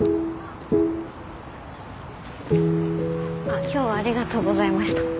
あ今日はありがとうございました。